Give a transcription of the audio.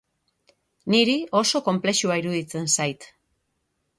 Niri oso konplexua iruditzen zait.